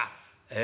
「え？